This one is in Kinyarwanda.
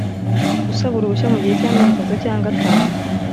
usaba uruhushya mu gihe cy amezi atatu cyangwa atanu